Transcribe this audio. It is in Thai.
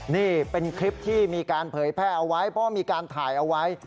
นี่เป็นคลิปที่มีการเผยแพร่เอาไว้เพราะมีการถ่ายเอาไว้